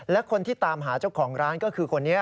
และคนที่ตามหาเจ้าของร้านก็คือคนนี้